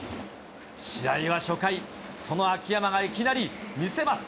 試合は初回、その秋山がいきなり見せます。